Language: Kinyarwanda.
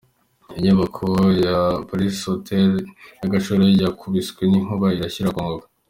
Inyubako ya La Palisse Hotel ya Gashora yakubiswe n’inkuba irashya irakongoka .